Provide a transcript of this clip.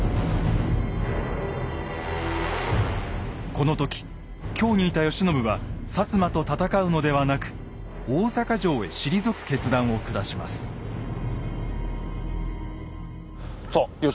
この時京にいた慶喜は摩と戦うのではなく大坂城へ退く決断を下します。